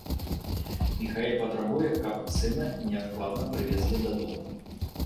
Міхаэль патрабуе, каб сына неадкладна прывезлі дадому.